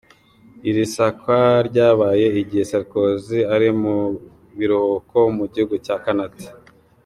Iri sakwa ryabaye igihe Sarkozy ari mu biruhuko mu gihugu cya Kanada.